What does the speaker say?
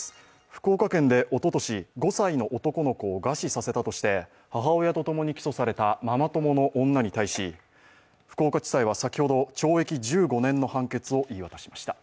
福岡県でおととし、５歳の男の子を餓死させたとして母親とともに起訴されたママ友の女に対し福岡地裁は先ほど、懲役１５年の判決を言い渡しました。